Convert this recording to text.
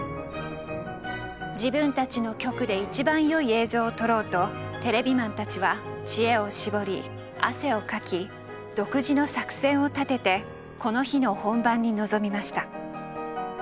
自分たちの局で一番よい映像を撮ろうとテレビマンたちは知恵を絞り汗をかき独自の作戦を立ててこの日の本番に臨みました。